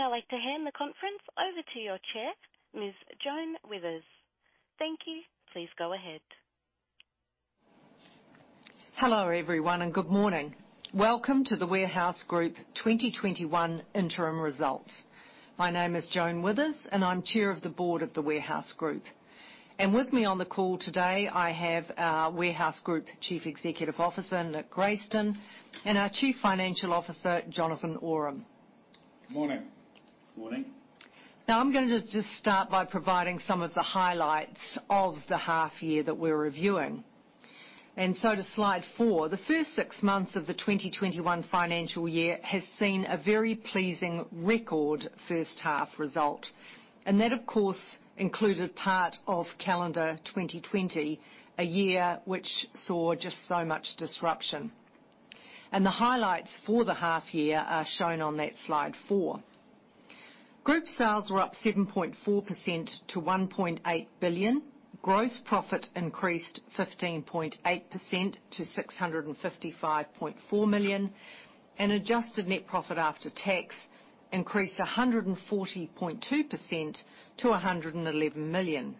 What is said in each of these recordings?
I'd now like to hand the conference over to your Chair, Ms. Joan Withers. Thank you. Please go ahead. Hello everyone, and good morning. Welcome to The Warehouse Group 2021 Interim Results. My name is Joan Withers, and I'm Chair of the Board of The Warehouse Group. With me on the call today, I have our Warehouse Group Chief Executive Officer, Nick Grayston, and our Chief Financial Officer, Jonathan Oram. Morning. Morning. I'm going to just start by providing some of the highlights of the half year that we're reviewing. To slide four, the first six months of the 2021 financial year has seen a very pleasing record first half result. That, of course, included part of calendar 2020, a year which saw just so much disruption. The highlights for the half year are shown on that slide four. Group sales were up 7.4% to 1.8 billion. Gross profit increased 15.8% to 655.4 million. Adjusted net profit after tax increased 140.2% to 111 million.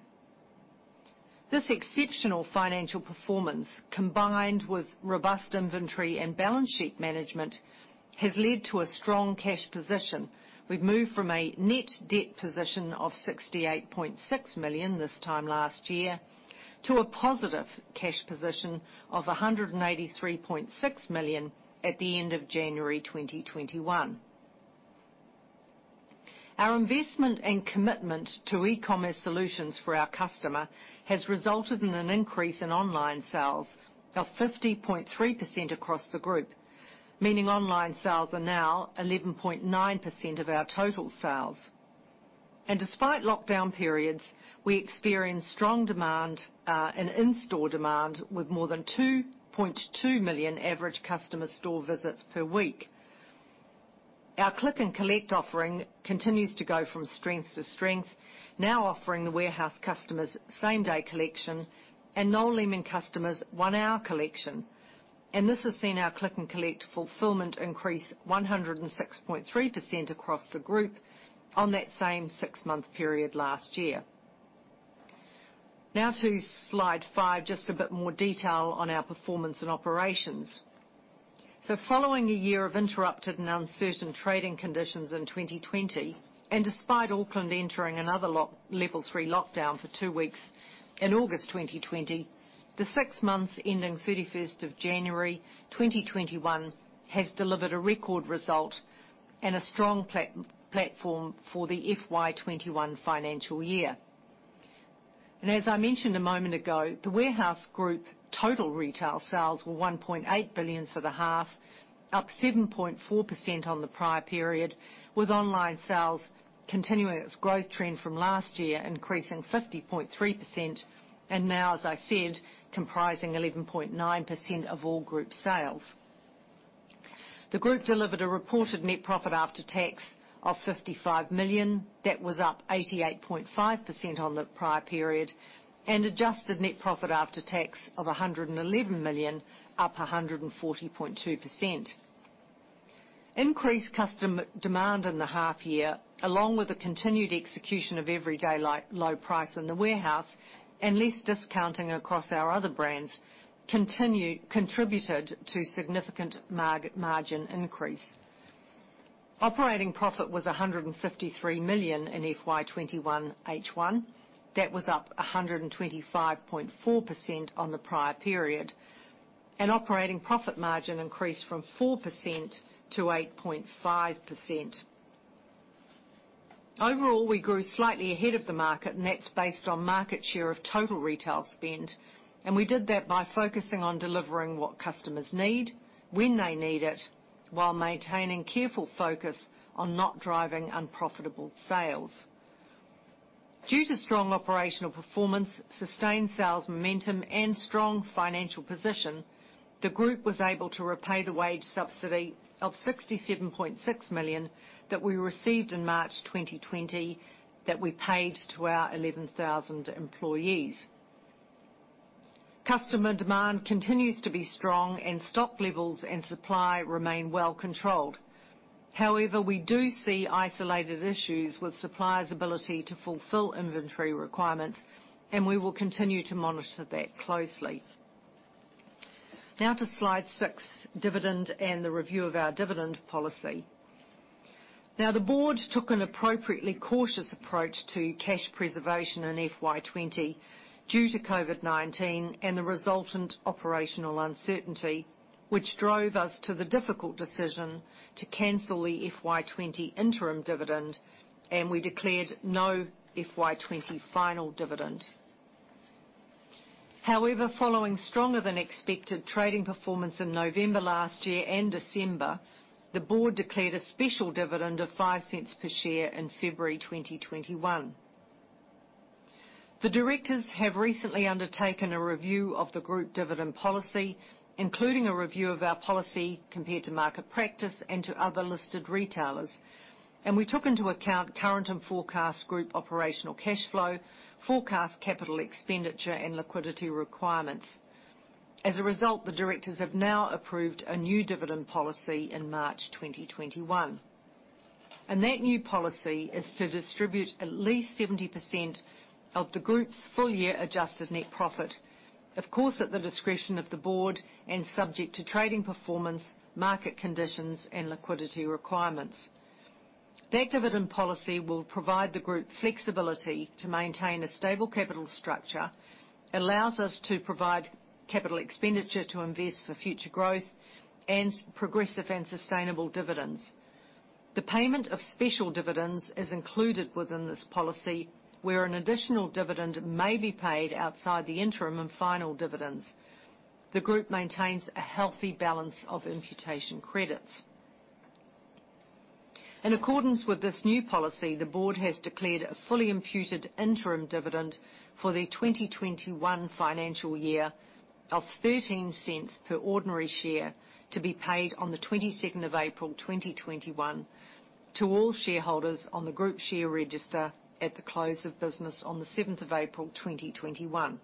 This exceptional financial performance, combined with robust inventory and balance sheet management, has led to a strong cash position. We've moved from a net debt position of 68.6 million this time last year, to a positive cash position of 183.6 million at the end of January 2021. Our investment and commitment to e-commerce solutions for our customer has resulted in an increase in online sales of 50.3% across the group, meaning online sales are now 11.9% of our total sales. Despite lockdown periods, we experienced strong demand, and in-store demand, with more than 2.2 million average customer store visits per week. Our Click & Collect offering continues to go from strength to strength, now offering The Warehouse customers same-day collection, and Noel Leeming customers one-hour collection. This has seen our Click & Collect fulfillment increase 106.3% across the group on that same six-month period last year. Now to slide five, just a bit more detail on our performance and operations. Following a year of interrupted and uncertain trading conditions in 2020, and despite Auckland entering another Alert Level 3 lockdown for two weeks in August 2020, the six months ending 31st January 2021 has delivered a record result and a strong platform for the FY 2021 financial year. As I mentioned a moment ago, The Warehouse Group total retail sales were 1.8 billion for the half, up 7.4% on the prior period, with online sales continuing its growth trend from last year, increasing 50.3%, and now, as I said, comprising 11.9% of all group sales. The group delivered a reported net profit after tax of 55 million. That was up 88.5% on the prior period. Adjusted net profit after tax of 111 million, up 140.2%. Increased customer demand in the half year, along with the continued execution of everyday low price in The Warehouse and less discounting across our other brands, contributed to significant margin increase. Operating profit was 153 million in FY 2021 H1. That was up 125.4% on the prior period. Operating profit margin increased from 4% to 8.5%. Overall, we grew slightly ahead of the market, and that's based on market share of total retail spend. We did that by focusing on delivering what customers need, when they need it, while maintaining careful focus on not driving unprofitable sales. Due to strong operational performance, sustained sales momentum, and strong financial position, the group was able to repay the wage subsidy of 67.6 million that we received in March 2020 that we paid to our 11,000 employees. Customer demand continues to be strong, and stock levels and supply remain well controlled. We do see isolated issues with suppliers' ability to fulfill inventory requirements, and we will continue to monitor that closely. To slide six, dividend and the review of our dividend policy. The board took an appropriately cautious approach to cash preservation in FY 2020 due to COVID-19 and the resultant operational uncertainty, which drove us to the difficult decision to cancel the FY 2020 interim dividend, and we declared no FY 2020 final dividend. Following stronger than expected trading performance in November last year and December, the board declared a special dividend of 0.05 per share in February 2021. The directors have recently undertaken a review of the group dividend policy, including a review of our policy compared to market practice and to other listed retailers. We took into account current and forecast group operational cash flow, forecast capital expenditure, and liquidity requirements. As a result, the directors have now approved a new dividend policy in March 2021. That new policy is to distribute at least 70% of the group's full year adjusted net profit, of course, at the discretion of the board and subject to trading performance, market conditions, and liquidity requirements. That dividend policy will provide the group flexibility to maintain a stable capital structure, allows us to provide capital expenditure to invest for future growth, and progressive and sustainable dividends. The payment of special dividends is included within this policy, where an additional dividend may be paid outside the interim and final dividends. The group maintains a healthy balance of imputation credits. In accordance with this new policy, the board has declared a fully imputed interim dividend for the 2021 financial year of 0.13 per ordinary share to be paid on the 22nd April 2021 to all shareholders on the group share register at the close of business on the 7th April 2021.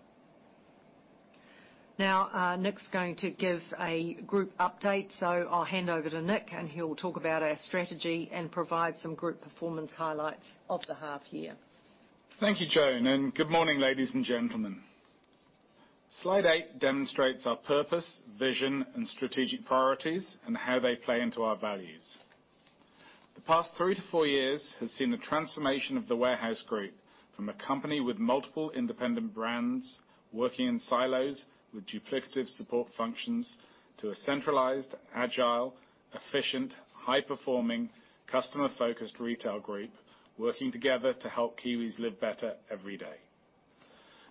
Nick's going to give a group update, so I'll hand over to Nick, and he'll talk about our strategy and provide some group performance highlights of the half year. Thank you, Joan, and good morning, ladies and gentlemen. Slide eight demonstrates our purpose, vision, and strategic priorities and how they play into our values. The past three to four years has seen the transformation of The Warehouse Group from a company with multiple independent brands working in silos with duplicative support functions, to a centralized, agile, efficient, high-performing, customer-focused retail group working together to help Kiwis live better every day.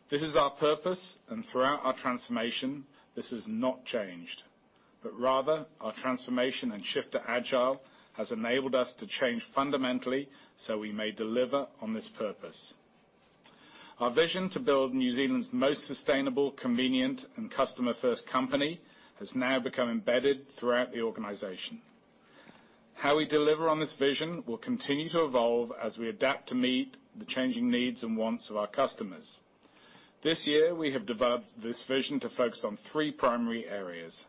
This is our purpose, and throughout our transformation, this has not changed. Rather, our transformation and shift to agile has enabled us to change fundamentally so we may deliver on this purpose. Our vision to build New Zealand's most sustainable, convenient, and customer-first company has now become embedded throughout the organization. How we deliver on this vision will continue to evolve as we adapt to meet the changing needs and wants of our customers. This year, we have developed this vision to focus on three primary areas.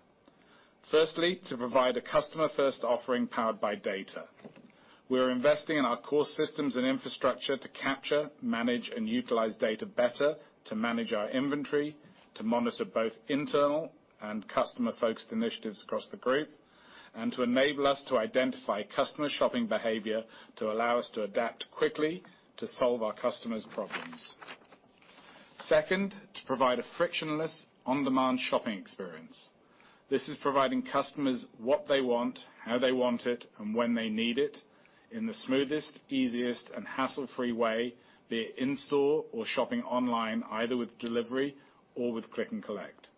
Firstly, to provide a customer-first offering powered by data. We're investing in our core systems and infrastructure to capture, manage, and utilize data better to manage our inventory, to monitor both internal and customer-focused initiatives across the group, and to enable us to identify customer shopping behavior to allow us to adapt quickly to solve our customers' problems. Second, to provide a frictionless on-demand shopping experience. This is providing customers what they want, how they want it, and when they need it in the smoothest, easiest, and hassle-free way, be it in-store or shopping online, either with delivery or with Click & Collect.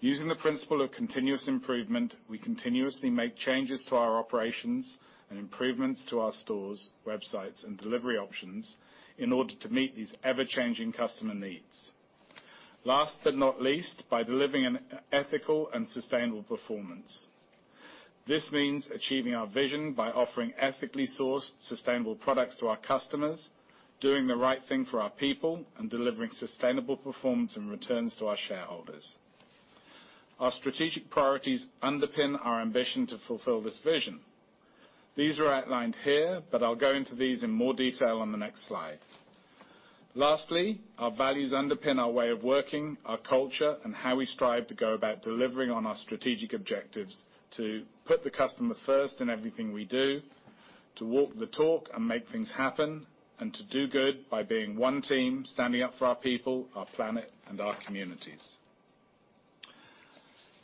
Using the principle of continuous improvement, we continuously make changes to our operations and improvements to our stores, websites, and delivery options in order to meet these ever-changing customer needs. Last but not least, by delivering an ethical and sustainable performance. This means achieving our vision by offering ethically sourced, sustainable products to our customers, doing the right thing for our people, and delivering sustainable performance and returns to our shareholders. Our strategic priorities underpin our ambition to fulfill this vision. These are outlined here, but I'll go into these in more detail on the next slide. Lastly, our values underpin our way of working, our culture, and how we strive to go about delivering on our strategic objectives to put the customer first in everything we do, to walk the talk and make things happen, and to do good by being one team standing up for our people, our planet, and our communities.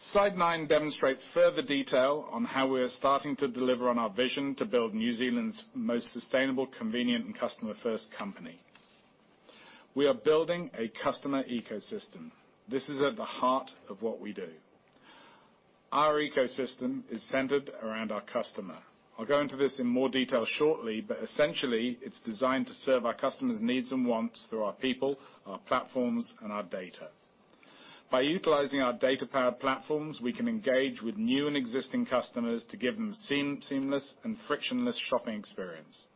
Slide nine demonstrates further detail on how we are starting to deliver on our vision to build New Zealand's most sustainable, convenient, and customer-first company. We are building a customer ecosystem. This is at the heart of what we do. Our ecosystem is centered around our customer. I'll go into this in more detail shortly, but essentially, it's designed to serve our customers' needs and wants through our people, our platforms, and our data. By utilizing our data-powered platforms, we can engage with new and existing customers to give them seamless and frictionless shopping experience.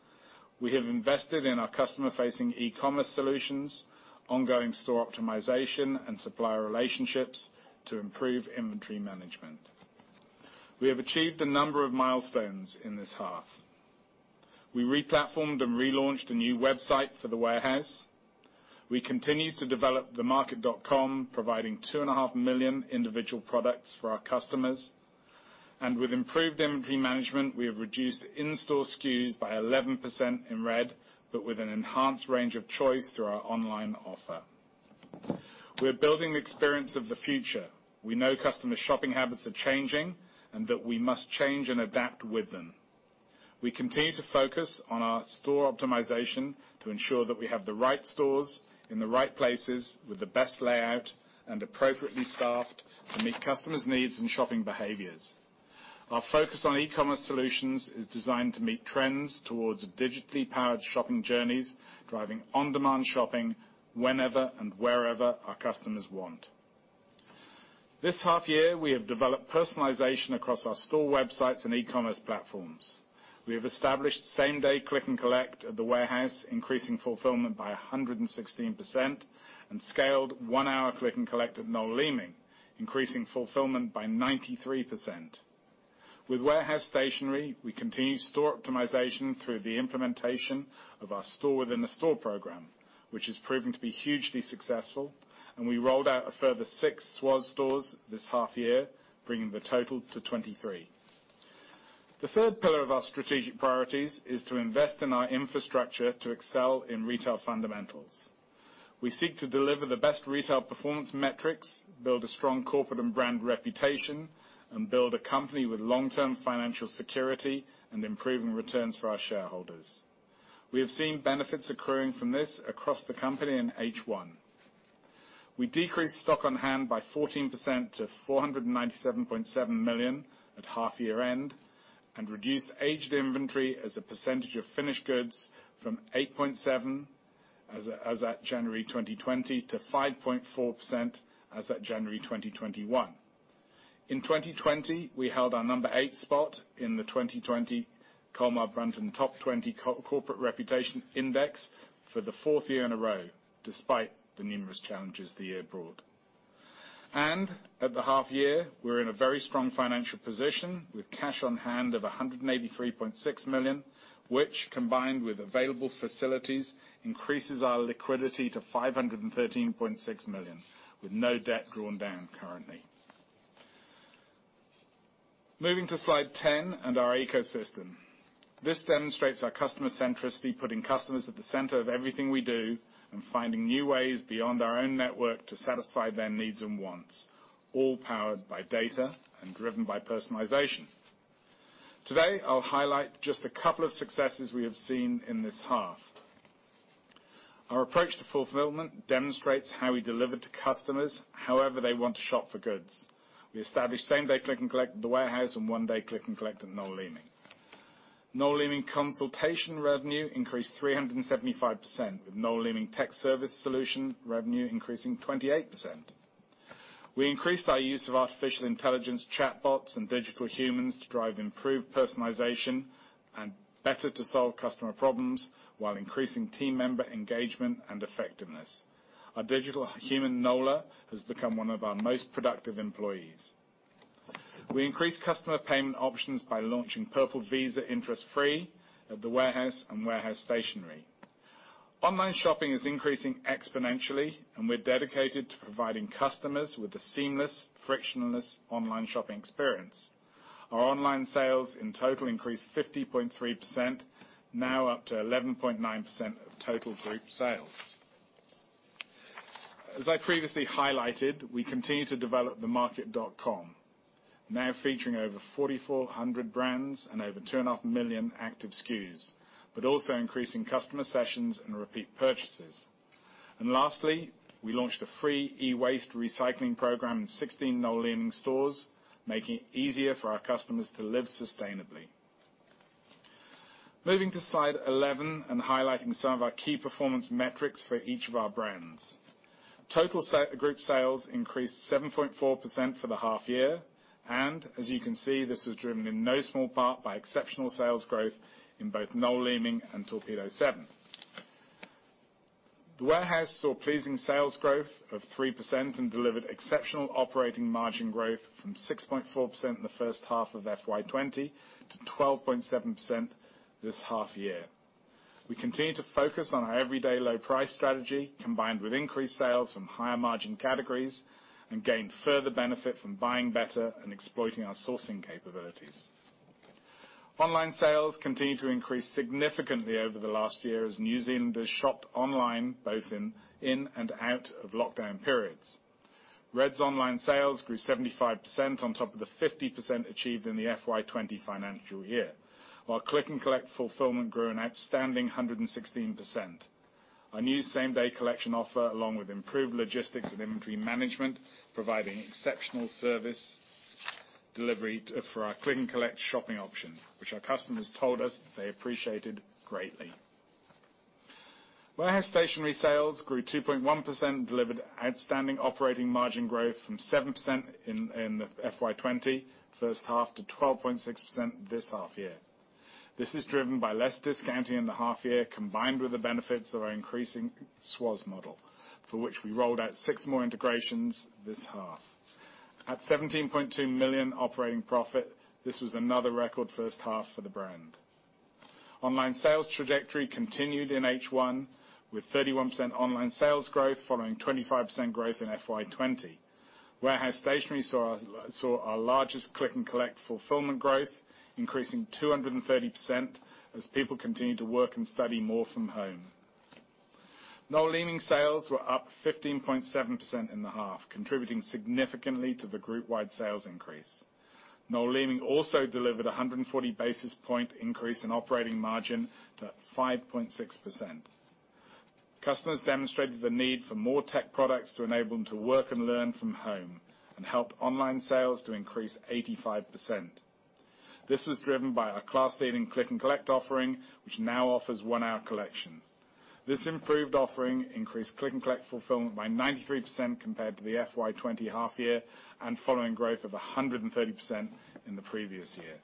We have invested in our customer-facing e-commerce solutions, ongoing store optimization, and supplier relationships to improve inventory management. We have achieved a number of milestones in this half. We re-platformed and relaunched a new website for The Warehouse. We continue to develop TheMarket.com, providing 2.5 million individual products for our customers. With improved inventory management, we have reduced in-store SKUs by 11% in Red, but with an enhanced range of choice through our online offer. We're building the experience of the future. We know customer shopping habits are changing, and that we must change and adapt with them. We continue to focus on our store optimization to ensure that we have the right stores in the right places with the best layout and appropriately staffed to meet customers' needs and shopping behaviors. Our focus on e-commerce solutions is designed to meet trends towards digitally powered shopping journeys, driving on-demand shopping whenever and wherever our customers want. This half year, we have developed personalization across our store websites and e-commerce platforms. We have established same-day Click & Collect at The Warehouse, increasing fulfillment by 116% and scaled one-hour Click & Collect at Noel Leeming, increasing fulfillment by 93%. With Warehouse Stationery, we continue store optimization through the implementation of our store-within-a-store program, which has proven to be hugely successful, and we rolled out a further six SWAS stores this half year, bringing the total to 23. The third pillar of our strategic priorities is to invest in our infrastructure to excel in retail fundamentals. We seek to deliver the best retail performance metrics, build a strong corporate and brand reputation, and build a company with long-term financial security and improving returns for our shareholders. We have seen benefits accruing from this across the company in H1. We decreased stock on hand by 14% to 497.7 million at half year-end, and reduced aged inventory as a percentage of finished goods from 8.7% as at January 2020 to 5.4% as at January 2021. In 2020, we held our number eight spot in the 2020 Colmar Brunton Top 20 Corporate Reputation Index for the fourth year in a row, despite the numerous challenges the year brought. At the half year, we're in a very strong financial position with cash on hand of 183.6 million, which, combined with available facilities, increases our liquidity to 513.6 million, with no debt drawn down currently. Moving to slide 10 and our ecosystem. This demonstrates our customer centricity, putting customers at the center of everything we do, and finding new ways beyond our own network to satisfy their needs and wants, all powered by data and driven by personalization. Today, I'll highlight just a couple of successes we have seen in this half. Our approach to fulfillment demonstrates how we deliver to customers however they want to shop for goods. We established same-day Click & Collect at The Warehouse and one-day Click & Collect at Noel Leeming. Noel Leeming consultation revenue increased 375%, with Noel Leeming tech service solution revenue increasing 28%. We increased our use of artificial intelligence chatbots and digital humans to drive improved personalization, and better to solve customer problems while increasing team member engagement and effectiveness. Our digital human, Nola, has become one of our most productive employees. We increased customer payment options by launching Purple Visa interest-free at The Warehouse and Warehouse Stationery. Online shopping is increasing exponentially, and we're dedicated to providing customers with a seamless, frictionless online shopping experience. Our online sales in total increased 50.3%, now up to 11.9% of total group sales. As I previously highlighted, we continue to develop TheMarket.com, now featuring over 4,400 brands and over 2.5 million active SKUs, also increasing customer sessions and repeat purchases. Lastly, we launched a free e-waste recycling program in 16 Noel Leeming stores, making it easier for our customers to live sustainably. Moving to slide 11, highlighting some of our key performance metrics for each of our brands. Total group sales increased 7.4% for the half year, as you can see, this was driven in no small part by exceptional sales growth in both Noel Leeming and Torpedo7. The Warehouse saw pleasing sales growth of 3% and delivered exceptional operating margin growth from 6.4% in the first half of FY 2020 to 12.7% this half year. We continue to focus on our everyday low price strategy, combined with increased sales from higher margin categories, and gained further benefit from buying better and exploiting our sourcing capabilities. Online sales continued to increase significantly over the last year, as New Zealanders shopped online, both in and out of lockdown periods. Red's online sales grew 75% on top of the 50% achieved in the FY 2020 financial year, while Click & Collect fulfillment grew an outstanding 116%. Our new same-day collection offer, along with improved logistics and inventory management, providing exceptional service delivery for our Click & Collect shopping option, which our customers told us they appreciated greatly. Warehouse Stationery sales grew 2.1% and delivered outstanding operating margin growth from 7% in the FY 2020 first half to 12.6% this half year. This is driven by less discounting in the half year, combined with the benefits of our increasing SWAS model, for which we rolled out six more integrations this half. At 17.2 million operating profit, this was another record first half for the brand. Online sales trajectory continued in H1, with 31% online sales growth following 25% growth in FY 2020. Warehouse Stationery saw our largest Click & Collect fulfillment growth, increasing 230% as people continued to work and study more from home. Noel Leeming sales were up 15.7% in the half, contributing significantly to the group-wide sales increase. Noel Leeming also delivered a 140 basis point increase in operating margin to 5.6%. Customers demonstrated the need for more tech products to enable them to work and learn from home and helped online sales to increase 85%. This was driven by our class-leading Click & Collect offering, which now offers one-hour collection. This improved offering increased Click & Collect fulfillment by 93% compared to the FY 2020 half year, and following growth of 130% in the previous year.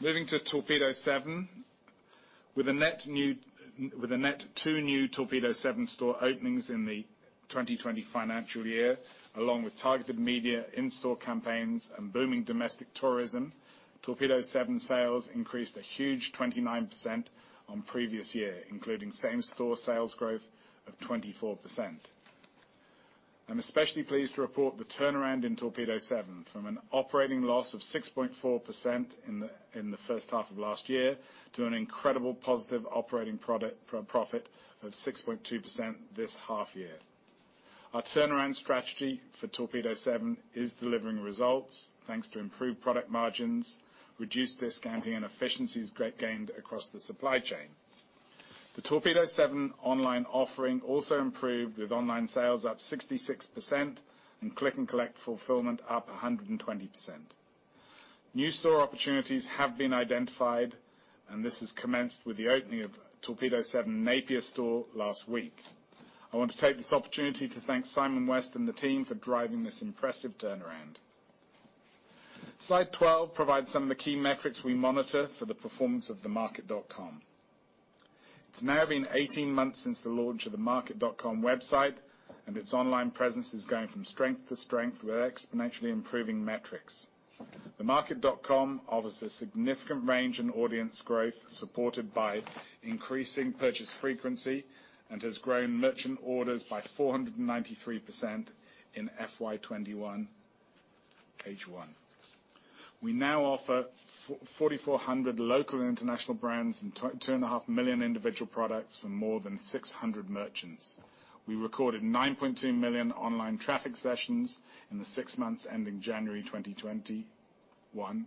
Moving to Torpedo7. With a net two new Torpedo7 store openings in the 2020 financial year, along with targeted media in-store campaigns and booming domestic tourism, Torpedo7 sales increased a huge 29% on previous year, including same-store sales growth of 24%. I'm especially pleased to report the turnaround in Torpedo7 from an operating loss of 6.4% in the first half of last year to an incredible positive operating profit of 6.2% this half year. Our turnaround strategy for Torpedo7 is delivering results thanks to improved product margins, reduced discounting, and efficiencies gained across the supply chain. The Torpedo7 online offering also improved with online sales up 66% and Click & Collect fulfillment up 120%. New store opportunities have been identified. This has commenced with the opening of Torpedo7 Napier store last week. I want to take this opportunity to thank Simon West and the team for driving this impressive turnaround. Slide 12 provides some of the key metrics we monitor for the performance of TheMarket.com. It's now been 18 months since the launch of TheMarket.com website. Its online presence is going from strength to strength with exponentially improving metrics. TheMarket.com offers a significant range in audience growth, supported by increasing purchase frequency. It has grown merchant orders by 493% in FY 2021 H1. We now offer 4,400 local and international brands and 2.5 million individual products from more than 600 merchants. We recorded 9.2 million online traffic sessions in the six months ending January 2021.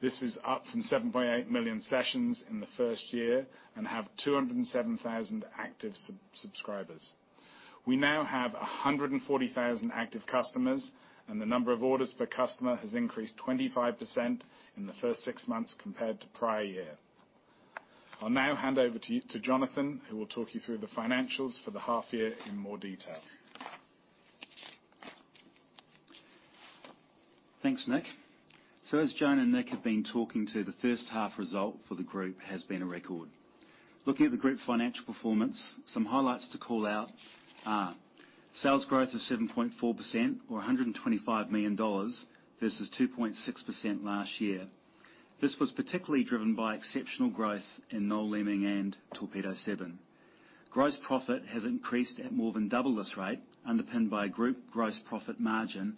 This is up from 7.8 million sessions in the first year and have 207,000 active subscribers. We now have 140,000 active customers, the number of orders per customer has increased 25% in the first six months compared to prior year. I'll now hand over to Jonathan, who will talk you through the financials for the half year in more detail. Thanks, Nick. As Joan and Nick have been talking to, the first half result for the group has been a record. Looking at the group financial performance, some highlights to call out are sales growth of 7.4%, or 125 million dollars, versus 2.6% last year. This was particularly driven by exceptional growth in Noel Leeming and Torpedo7. Gross profit has increased at more than double this rate, underpinned by group gross profit margin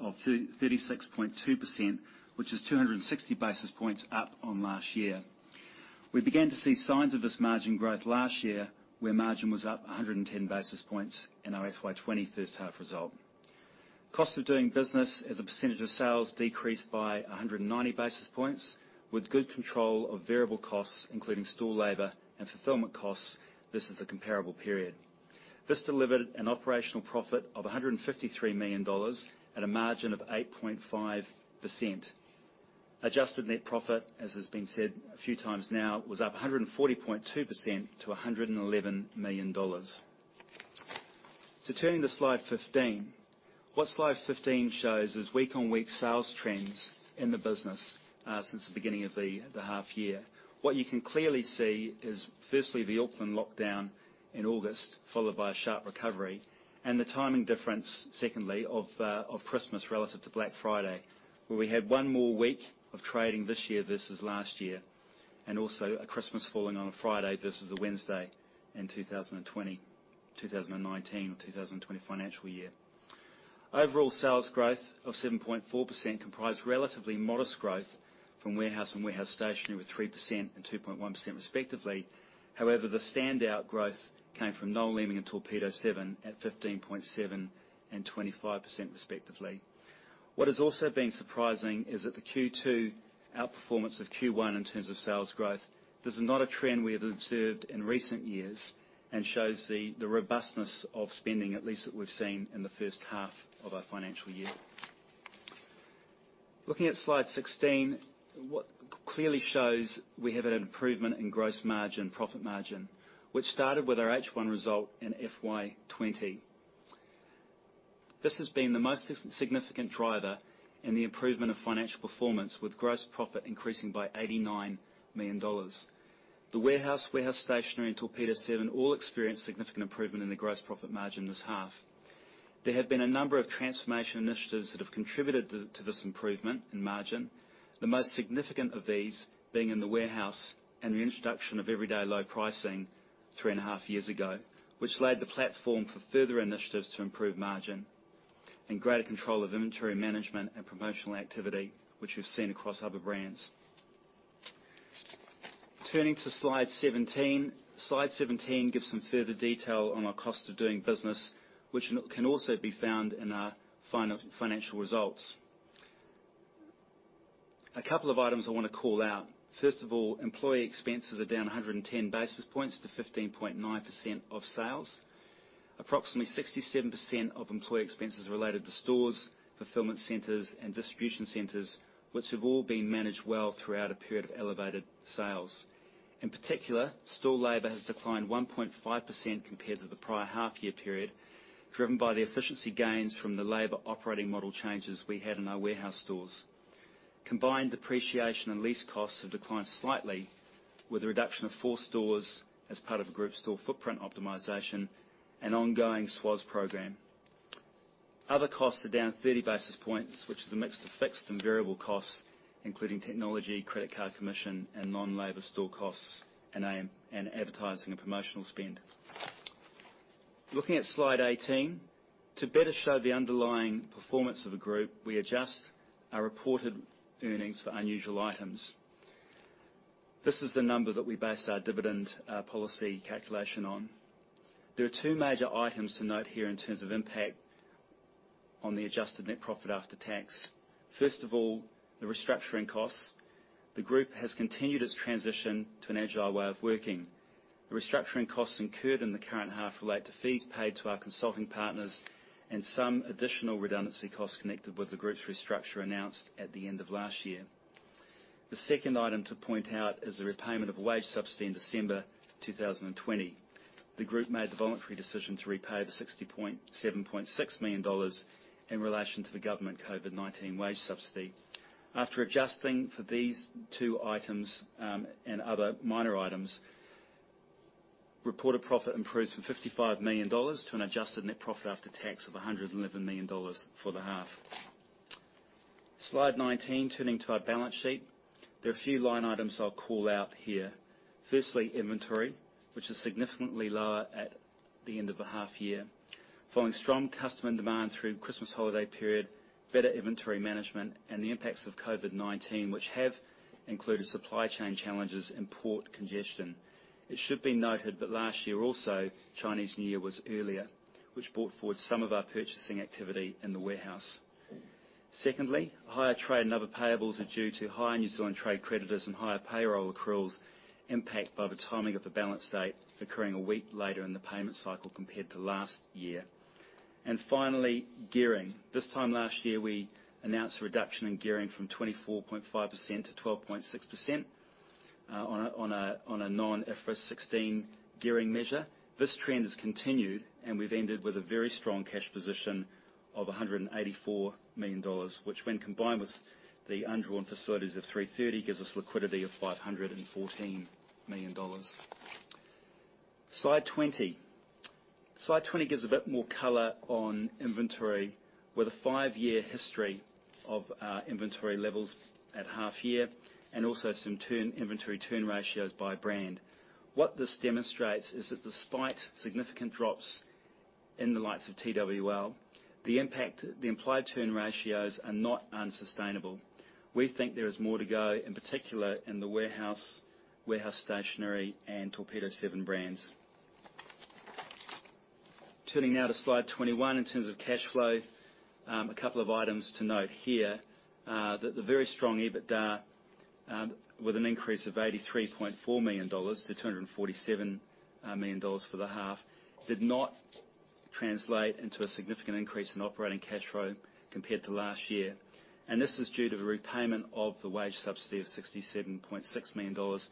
of 36.2%, which is 260 basis points up on last year. We began to see signs of this margin growth last year, where margin was up 110 basis points in our FY 2020 first half result. Cost of doing business as a percentage of sales decreased by 190 basis points, with good control of variable costs, including store labor and fulfillment costs versus the comparable period. This delivered an operational profit of 153 million dollars at a margin of 8.5%. Adjusted net profit, as has been said a few times now, was up 140.2% to 111 million dollars. Turning to slide 15. What slide 15 shows is week-on-week sales trends in the business since the beginning of the half year. What you can clearly see is firstly the Auckland lockdown in August, followed by a sharp recovery, and the timing difference, secondly, of Christmas relative to Black Friday, where we had one more week of trading this year versus last year, and also a Christmas falling on a Friday versus a Wednesday in 2019 or 2020 financial year. Overall sales growth of 7.4% comprised relatively modest growth from Warehouse and Warehouse Stationery with 3% and 2.1% respectively. The standout growth came from Noel Leeming and Torpedo7 at 15.7% and 25% respectively. What has also been surprising is that the Q2 outperformance of Q1 in terms of sales growth, this is not a trend we have observed in recent years and shows the robustness of spending, at least that we've seen in the first half of our financial year. Looking at slide 16, what clearly shows we have an improvement in gross margin, profit margin, which started with our H1 result in FY 2020. This has been the most significant driver in the improvement of financial performance, with gross profit increasing by 89 million dollars. The Warehouse Stationery, and Torpedo7 all experienced significant improvement in the gross profit margin this half. There have been a number of transformation initiatives that have contributed to this improvement in margin. The most significant of these being in The Warehouse and the introduction of everyday low pricing three and a half years ago, which laid the platform for further initiatives to improve margin and greater control of inventory management and promotional activity, which we've seen across other brands. Turning to slide 17. Slide 17 gives some further detail on our cost of doing business, which can also be found in our financial results. A couple of items I want to call out. First of all, employee expenses are down 110 basis points to 15.9% of sales. Approximately 67% of employee expenses related to stores, fulfillment centers, and distribution centers, which have all been managed well throughout a period of elevated sales. In particular, store labor has declined 1.5% compared to the prior half-year period, driven by the efficiency gains from the labor operating model changes we had in our Warehouse stores. Combined depreciation and lease costs have declined slightly with the reduction of four stores as part of a group store footprint optimization and ongoing SWAS program. Other costs are down 30 basis points, which is a mix of fixed and variable costs, including technology, credit card commission, and non-labor store costs, and advertising and promotional spend. Looking at slide 18, to better show the underlying performance of the group, we adjust our reported earnings for unusual items. This is the number that we base our dividend policy calculation on. There are two major items to note here in terms of impact on the adjusted net profit after tax. First of all, the restructuring costs. The group has continued its transition to an agile way of working. The restructuring costs incurred in the current half relate to fees paid to our consulting partners and some additional redundancy costs connected with the group's restructure announced at the end of last year. The second item to point out is the repayment of a wage subsidy in December 2020. The group made the voluntary decision to repay the NZD 67.6 million in relation to the government COVID-19 wage subsidy. After adjusting for these two items, and other minor items, reported profit improves from 55 million dollars to an adjusted net profit after tax of 111 million dollars for the half. Slide 19, turning to our balance sheet. There are a few line items I'll call out here. Firstly, inventory, which is significantly lower at the end of the half year. Following strong customer demand through the Christmas holiday period, better inventory management, and the impacts of COVID-19, which have included supply chain challenges and port congestion. It should be noted that last year also, Chinese New Year was earlier, which brought forward some of our purchasing activity in The Warehouse. Secondly, higher trade and other payables are due to higher New Zealand trade creditors and higher payroll accruals impact by the timing of the balance date occurring a week later in the payment cycle compared to last year. Finally, gearing. This time last year, we announced a reduction in gearing from 24.5% to 12.6% on a non-IFRS 16 gearing measure. This trend has continued, and we've ended with a very strong cash position of 184 million dollars, which when combined with the undrawn facilities of 330 million, gives us liquidity of 514 million dollars. Slide 20. Slide 20 gives a bit more color on inventory with a five-year history of our inventory levels at half year, and also some inventory turn ratios by brand. What this demonstrates is that despite significant drops in the likes of TWL, the implied turn ratios are not unsustainable. We think there is more to go, in particular in The Warehouse Stationery, and Torpedo7 brands. Turning now to slide 21. In terms of cash flow, a couple of items to note here, that the very strong EBITDA, with an increase of 83.4 million dollars to 247 million dollars for the half, did not translate into a significant increase in operating cash flow compared to last year. This is due to the repayment of the wage subsidy of 67.6 million dollars,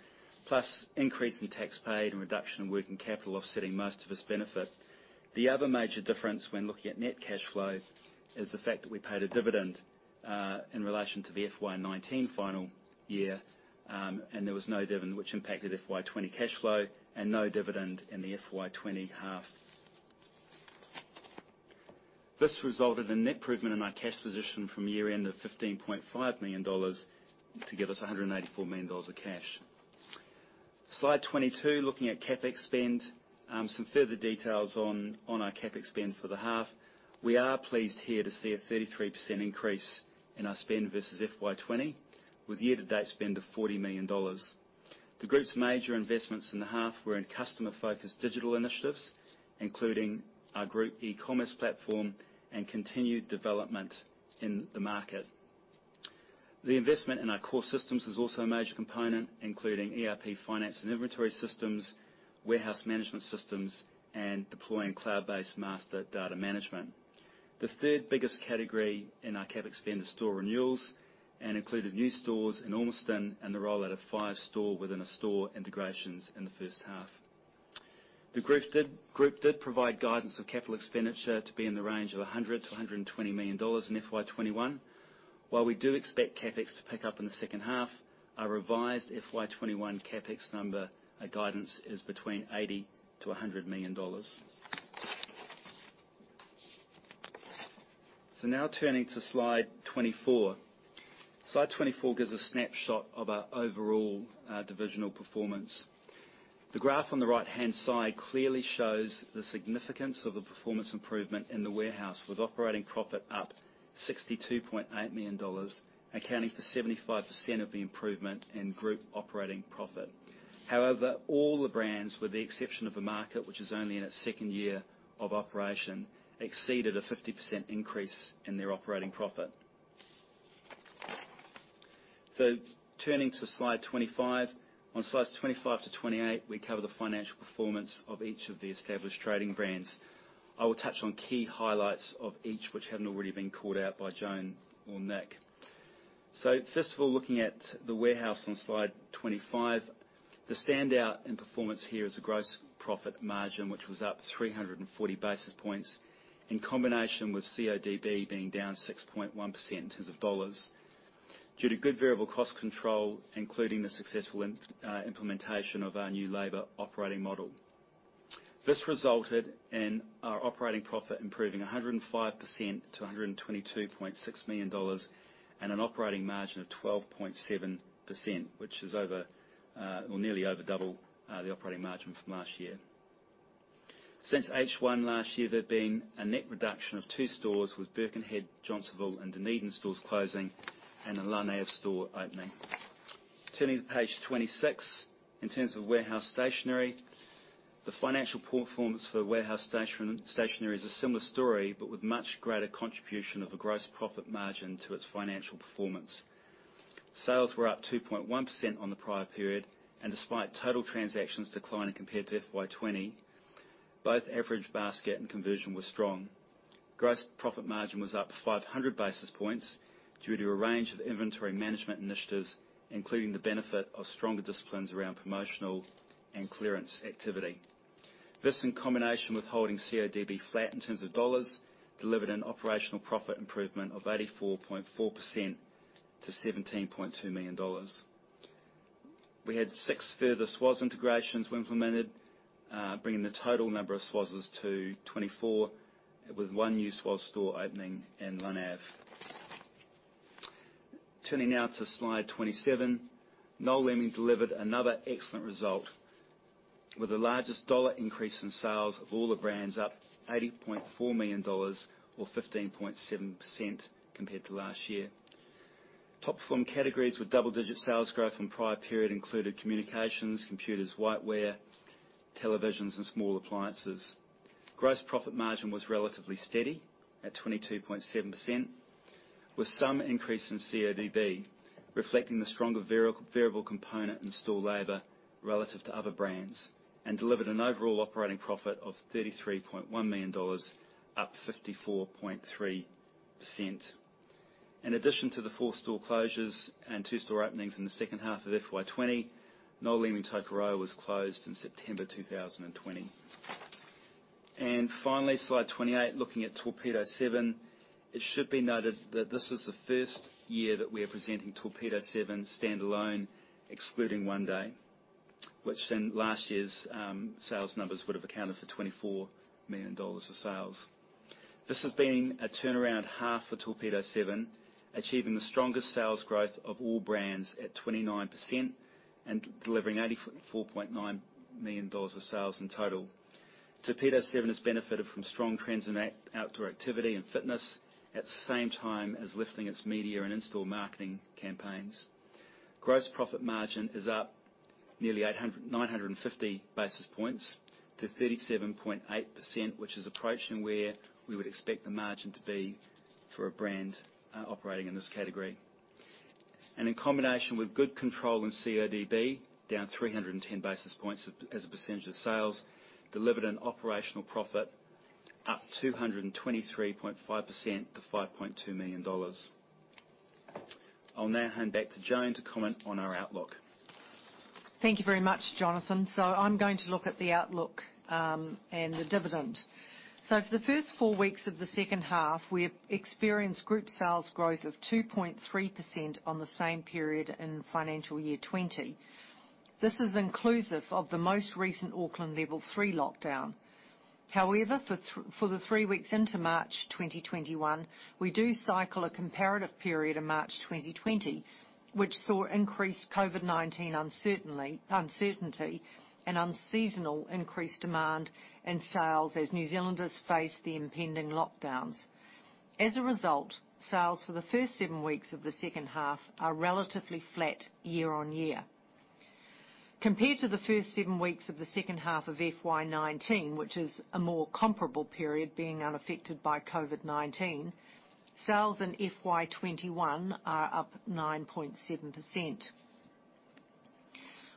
plus increase in tax paid and reduction in working capital offsetting most of its benefit. The other major difference when looking at net cash flow is the fact that we paid a dividend, in relation to the FY 2019 final year, and there was no dividend which impacted FY 2020 cash flow and no dividend in the FY 2020 half. This resulted in net improvement in our cash position from year-end of 15.5 million dollars to give us 184 million dollars of cash. Slide 22, looking at CapEx spend. Some further details on our CapEx spend for the half. We are pleased here to see a 33% increase in our spend versus FY 2020, with year-to-date spend of 40 million dollars. The group's major investments in the half were in customer-focused digital initiatives, including our group e-commerce platform and continued development in TheMarket.com. The investment in our core systems is also a major component, including ERP finance and inventory systems, warehouse management systems, and deploying cloud-based master data management. The third biggest category in our CapEx spend is store renewals and included new stores in Ormiston and the rollout of five store-within-a-store integrations in the first half. The group did provide guidance of capital expenditure to be in the range of 100 million-120 million dollars in FY 2021. While we do expect CapEx to pick up in the second half, our revised FY 2021 CapEx number guidance is between 80 million-100 million dollars. Turning to slide 24. Slide 24 gives a snapshot of our overall divisional performance. The graph on the right-hand side clearly shows the significance of the performance improvement in The Warehouse, with operating profit up 62.8 million dollars, accounting for 75% of the improvement in group operating profit. However, all the brands, with the exception of TheMarket, which is only in its second year of operation, exceeded a 50% increase in their operating profit. Turning to slide 25. On slides 25 to 28, we cover the financial performance of each of the established trading brands. I will touch on key highlights of each which haven't already been called out by Joan or Nick. First of all, looking at The Warehouse on Slide 25. The standout in performance here is the gross profit margin, which was up 340 basis points in combination with CODB being down 6.1% in terms of dollars due to good variable cost control, including the successful implementation of our new labor operating model. This resulted in our operating profit improving 105% to 122.6 million dollars, and an operating margin of 12.7%, which is over, or nearly over double, the operating margin from last year. Since H1 last year, there have been a net reduction of two stores, with Birkenhead, Johnsonville, and Dunedin stores closing, and a New Lynn store opening. Turning to page 26. In terms of Warehouse Stationery, the financial performance for Warehouse Stationery is a similar story, with much greater contribution of the gross profit margin to its financial performance. Sales were up 2.1% on the prior period, despite total transactions declining compared to FY 2020, both average basket and conversion were strong. Gross profit margin was up 500 basis points due to a range of inventory management initiatives, including the benefit of stronger disciplines around promotional and clearance activity. This in combination with holding CODB flat in terms of dollars, delivered an operational profit improvement of 84.4% to 17.2 million dollars. We had six further SWAS integrations were implemented, bringing the total number of SWAS to 24, with one new SWAS store opening in New Lynn. Turning now to slide 27. Noel Leeming delivered another excellent result, with the largest dollar increase in sales of all the brands up 80.4 million dollars, or 15.7% compared to last year. Top-performing categories with double-digit sales growth from prior period included communications, computers, whiteware, televisions, and small appliances. Gross profit margin was relatively steady at 22.7%, with some increase in CODB, reflecting the stronger variable component in store labor relative to other brands, and delivered an overall operating profit of 33.1 million dollars, up 54.3%. In addition to the four store closures and two store openings in the second half of FY 2020, Noel Leeming, Takapuna was closed in September 2020. Finally, slide 28, looking at Torpedo7. It should be noted that this is the first year that we are presenting Torpedo7 standalone, excluding 1-day, which in last year's sales numbers would have accounted for 24 million dollars of sales. This has been a turnaround half for Torpedo7, achieving the strongest sales growth of all brands at 29%, and delivering 84.9 million dollars of sales in total. Torpedo7 has benefited from strong trends in outdoor activity and fitness, at the same time as lifting its media and in-store marketing campaigns. Gross profit margin is up nearly 950 basis points to 37.8%, which is approaching where we would expect the margin to be for a brand operating in this category. In combination with good control in CODB, down 310 basis points as a percentage of sales, delivered an operational profit up 223.5% to 5.2 million dollars. I'll now hand back to Joan to comment on our outlook. Thank you very much, Jonathan. I'm going to look at the outlook and the dividend. For the first four weeks of the second half, we have experienced group sales growth of 2.3% on the same period in FY 2020. This is inclusive of the most recent Auckland Alert Level 3 lockdown. However, for the three weeks into March 2021, we do cycle a comparative period of March 2020, which saw increased COVID-19 uncertainty, and unseasonal increased demand and sales as New Zealanders faced the impending lockdowns. As a result, sales for the first seven weeks of the second half are relatively flat year-over-year. Compared to the first seven weeks of the second half of FY 2019, which is a more comparable period, being unaffected by COVID-19, sales in FY 2021 are up 9.7%.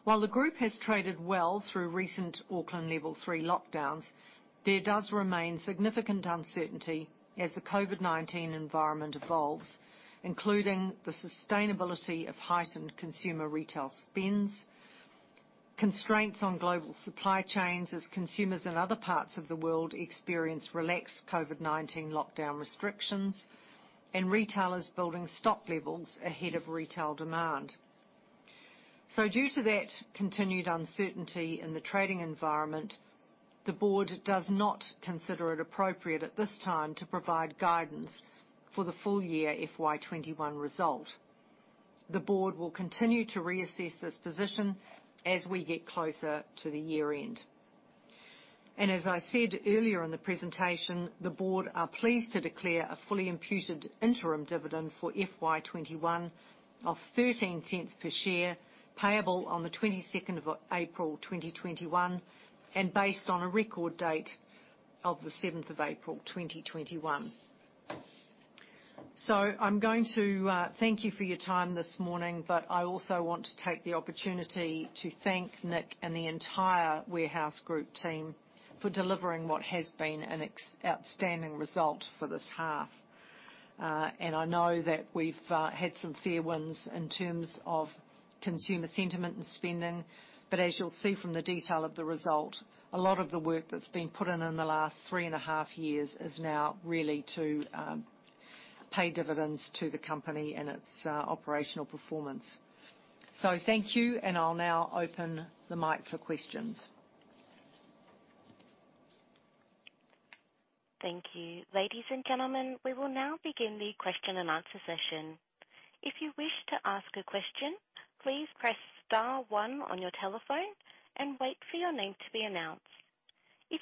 While the Group has traded well through recent Auckland Level 3 lockdowns, there does remain significant uncertainty as the COVID-19 environment evolves, including the sustainability of heightened consumer retail spends, constraints on global supply chains as consumers in other parts of the world experience relaxed COVID-19 lockdown restrictions, and retailers building stock levels ahead of retail demand. Due to that continued uncertainty in the trading environment, the Board does not consider it appropriate at this time to provide guidance for the full year FY 2021 result. The Board will continue to reassess this position as we get closer to the year-end. As I said earlier in the presentation, the Board are pleased to declare a fully imputed interim dividend for FY 2021 of 0.13 per share, payable on the 22nd April 2021, and based on a record date of the 7th April 2021. I'm going to thank you for your time this morning, but I also want to take the opportunity to thank Nick and the entire The Warehouse Group team for delivering what has been an outstanding result for this half. I know that we've had some fair winds in terms of consumer sentiment and spending, but as you'll see from the detail of the result, a lot of the work that's been put in in the last three and a half years is now really to pay dividends to the company and its operational performance. Thank you, and I'll now open the mic for questions. Thank you. Ladies and gentlemen, we will now begin the question and answer session. If you wish to ask a question please press star one on your telephone. If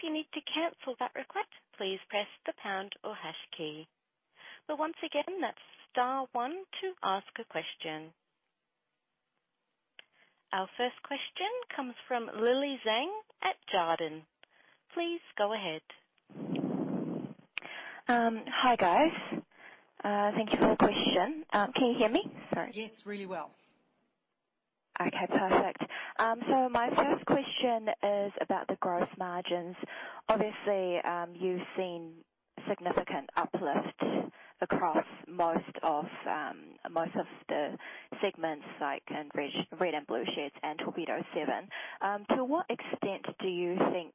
you need to cancel your request please press the pound or hash key. Once again press star one to ask a question. Our first question comes from Lily Zhang at Jarden. Please go ahead. Hi, guys. Thank you for the question. Can you hear me? Sorry. Yes, really well. Perfect. My first question is about the gross margins. Obviously, you've seen significant uplift across most of the segments like in Red and Blue sheds and Torpedo7. To what extent do you think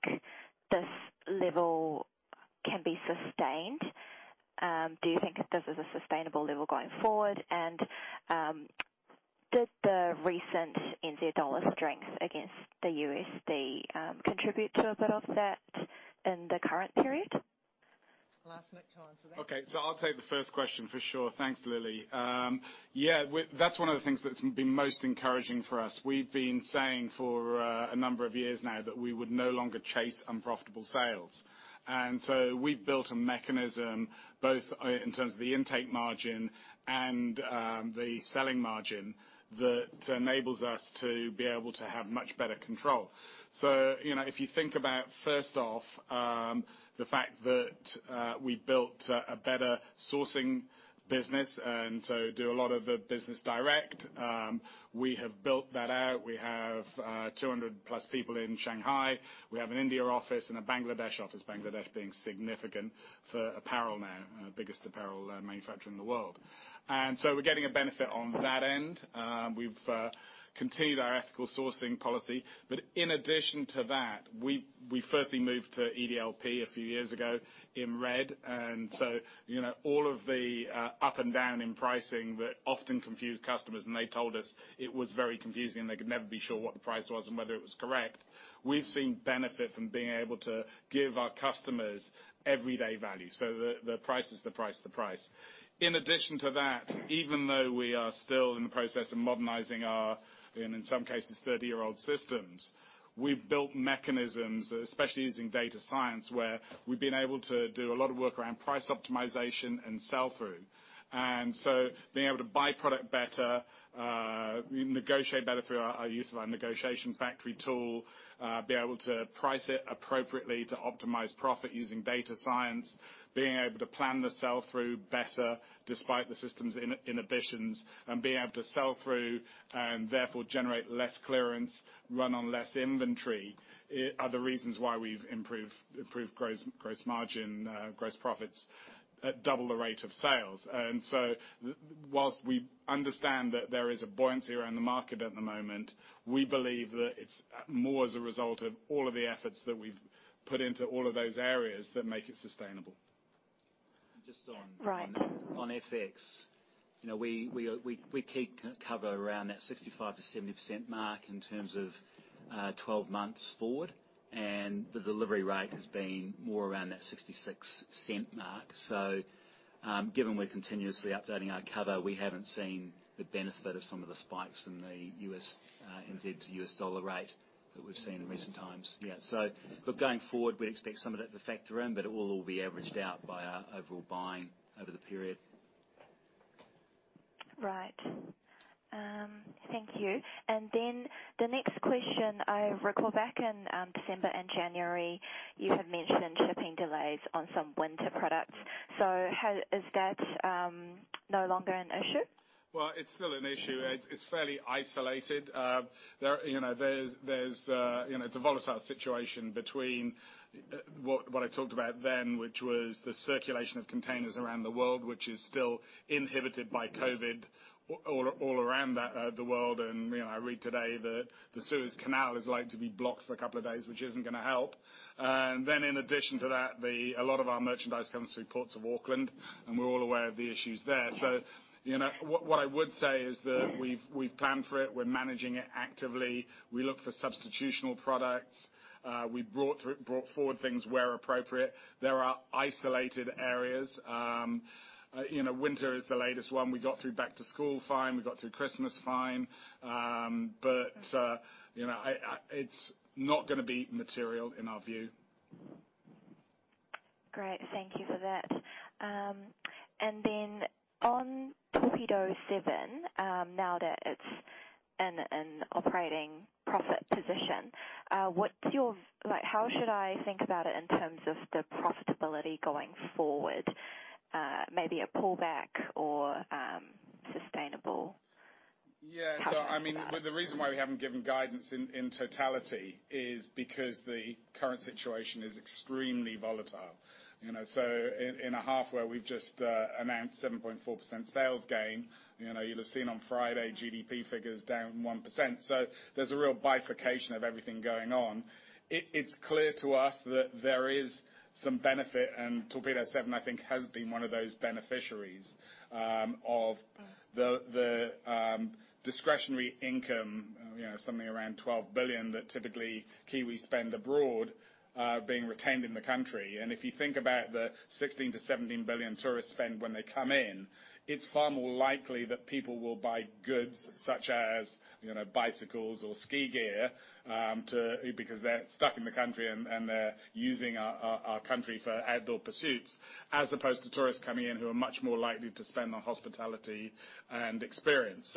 this level can be sustained? Do you think this is a sustainable level going forward? Did the recent New Zealand dollar strength against the U.S. dollar contribute to a bit of that in the current period? I'll ask Nick to answer that. Okay. I'll take the first question for sure. Thanks, Lily. Yeah, that's one of the things that's been most encouraging for us. We've been saying for a number of years now that we would no longer chase unprofitable sales. We've built a mechanism both in terms of the intake margin and the selling margin that enables us to be able to have much better control. If you think about first off, the fact that we built a better sourcing business and so do a lot of the business direct. We have built that out. We have 200+ people in Shanghai. We have an India office and a Bangladesh office, Bangladesh being significant for apparel now, biggest apparel manufacturer in the world. We're getting a benefit on that end. We've continued our ethical sourcing policy. In addition to that, we firstly moved to EDLP a few years ago in Red. All of the up and down in pricing that often confused customers, and they told us it was very confusing, and they could never be sure what the price was and whether it was correct. We've seen benefit from being able to give our customers everyday value. The price is the price is the price. In addition to that, even though we are still in the process of modernizing our, in some cases, 30-year-old systems, we've built mechanisms, especially using data science, where we've been able to do a lot of work around price optimization and sell-through. Being able to buy product better, negotiate better through our use of our negotiation factory tool, be able to price it appropriately to optimize profit using data science, being able to plan the sell-through better despite the system's inhibitions, and being able to sell through and therefore generate less clearance, run on less inventory, are the reasons why we've improved gross margin, gross profits at double the rate of sales. Whilst we understand that there is a buoyancy around the market at the moment, we believe that it's more as a result of all of the efforts that we've put into all of those areas that make it sustainable. Right. Just on FX. We keep cover around that 65%-70% mark in terms of 12 months forward. The delivery rate has been more around that 0.66 mark. Given we're continuously updating our cover, we haven't seen the benefit of some of the spikes in the New Zealand dollar to U.S. dollar rate that we've seen in recent times. Look, going forward, we'd expect some of that to factor in, but it will all be averaged out by our overall buying over the period. Right. Thank you. The next question, I recall back in December and January, you had mentioned shipping delays on some winter products. Is that no longer an issue? Well, it's still an issue. It's fairly isolated. It's a volatile situation between what I talked about then, which was the circulation of containers around the world, which is still inhibited by COVID, all around the world. I read today that the Suez Canal is like to be blocked for a couple of days, which isn't going to help. In addition to that, a lot of our merchandise comes through Ports of Auckland, and we're all aware of the issues there. What I would say is that we've planned for it. We're managing it actively. We look for substitutional products. We brought forward things where appropriate. There are isolated areas. Winter is the latest one. We got through back to school fine. We got through Christmas fine. It's not gonna be material in our view. Great. Thank you for that. On Torpedo7, now that it's in an operating profit position, how should I think about it in terms of the profitability going forward? Maybe a pullback or sustainable? Yeah. The reason why we haven't given guidance in totality is because the current situation is extremely volatile. In a half where we've just announced 7.4% sales gain, you'll have seen on Friday, GDP figures down 1%. There's a real bifurcation of everything going on. It's clear to us that there is some benefit, and Torpedo7, I think, has been one of those beneficiaries of the discretionary income, something around 12 billion, that typically Kiwis spend abroad, being retained in the country. If you think about the 16 billion-17 billion tourists spend when they come in, it's far more likely that people will buy goods such as bicycles or ski gear, because they're stuck in the country and they're using our country for outdoor pursuits, as opposed to tourists coming in who are much more likely to spend on hospitality and experience.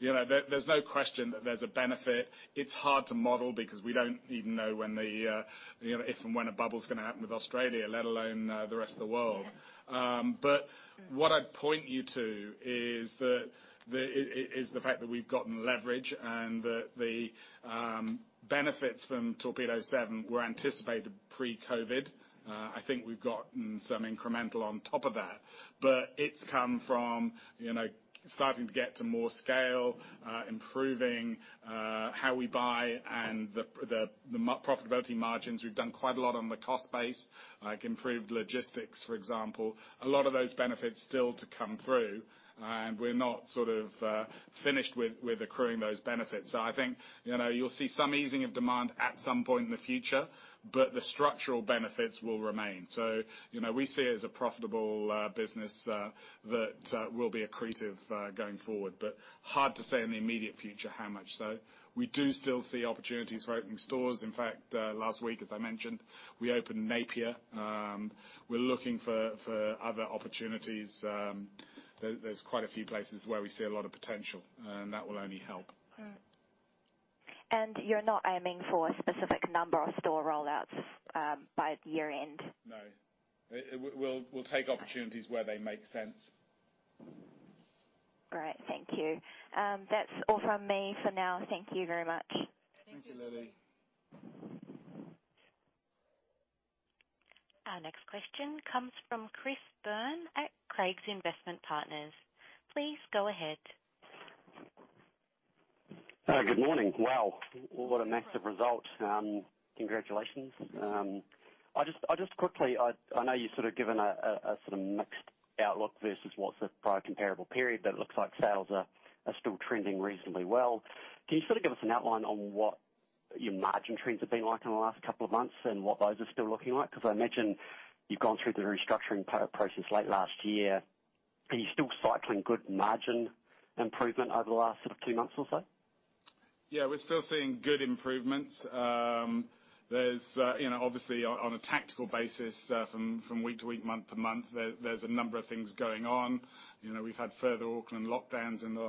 There's no question that there's a benefit. It's hard to model because we don't even know if and when a bubble's going to happen with Australia, let alone the rest of the world. Yeah. What I'd point you to is the fact that we've gotten leverage and that the benefits from Torpedo7 were anticipated pre-COVID. I think we've gotten some incremental on top of that. It's come from starting to get to more scale, improving how we buy, and the profitability margins. We've done quite a lot on the cost base, like improved logistics, for example. A lot of those benefits still to come through. We're not finished with accruing those benefits. I think you'll see some easing of demand at some point in the future, but the structural benefits will remain. We see it as a profitable business that will be accretive going forward. Hard to say in the immediate future how much so. We do still see opportunities for opening stores. In fact, last week, as I mentioned, we opened Napier. We're looking for other opportunities. There's quite a few places where we see a lot of potential, and that will only help. You're not aiming for a specific number of store rollouts by the year-end? No. We'll take opportunities where they make sense. Great. Thank you. That's all from me for now. Thank you very much. Thank you, Lily. Our next question comes from Chris Byrne at Craigs Investment Partners. Please go ahead. Good morning. Wow, what a massive result. Congratulations. Just quickly, I know you've given a sort of mixed outlook versus what's the prior comparable period. It looks like sales are still trending reasonably well. Can you give us an outline on what your margin trends have been like in the last couple of months and what those are still looking like? I imagine you've gone through the restructuring process late last year. Are you still cycling good margin improvement over the last two months or so? Yeah, we're still seeing good improvements. Obviously, on a tactical basis from week to week, month to month, there's a number of things going on. We've had further Auckland lockdowns in the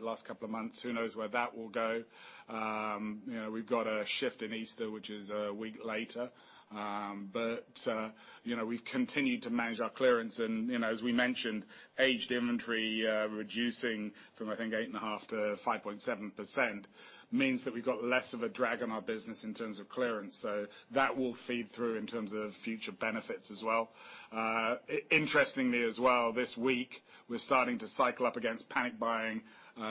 last couple of months. Who knows where that will go? We've got a shift in Easter, which is a week later. We've continued to manage our clearance. As we mentioned, aged inventory reducing from, I think, 8.5% to 5.7% means that we've got less of a drag on our business in terms of clearance. That will feed through in terms of future benefits as well. Interestingly as well, this week, we're starting to cycle up against panic buying,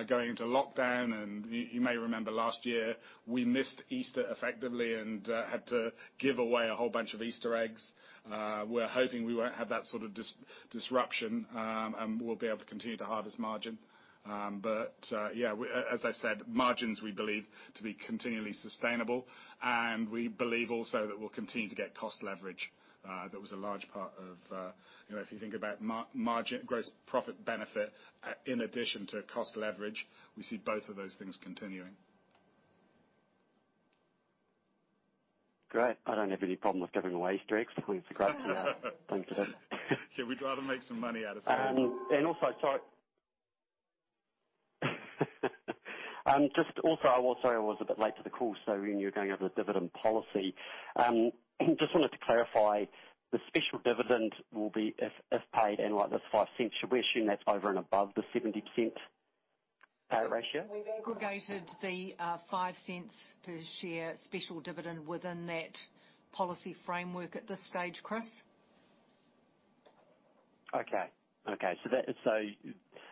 going into lockdown. You may remember last year, we missed Easter effectively and had to give away a whole bunch of Easter eggs. We're hoping we won't have that sort of disruption, and we'll be able to continue to harvest margin. As I said, margins we believe to be continually sustainable, and we believe also that we'll continue to get cost leverage. If you think about gross profit benefit in addition to cost leverage, we see both of those things continuing. Great. I don't have any problem with giving away Easter eggs. It's a great thing to do. Yeah, we'd rather make some money out of candy. Sorry. Also, I was a bit late to the call. When you were going over the dividend policy, I just wanted to clarify, the special dividend will be, if paid, and like this 0.05, should we assume that's over and above the 70% payout ratio? We've aggregated the 0.05 per share special dividend within that policy framework at this stage, Chris. Okay.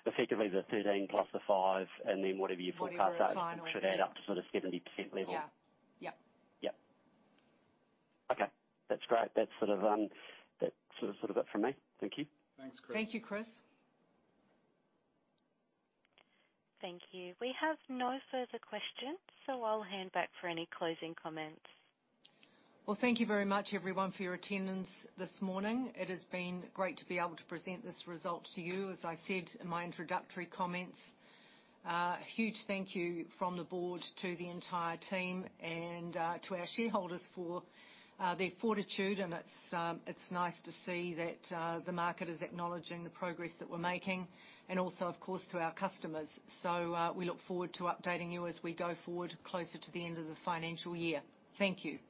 Effectively, the 13 plus the five, and then whatever you forecast that should add up to sort of 70% level. Yeah. Yep. Okay. That's great. That's sort of it for me. Thank you. Thanks, Chris. Thank you, Chris. Thank you. We have no further questions, so I'll hand back for any closing comments. Well, thank you very much, everyone, for your attendance this morning. It has been great to be able to present this result to you. As I said in my introductory comments, a huge thank you from the board to the entire team and to our shareholders for their fortitude. It's nice to see that the market is acknowledging the progress that we're making, and also, of course, to our customers. We look forward to updating you as we go forward closer to the end of the financial year. Thank you.